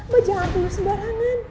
mbak jangan beli sembarangan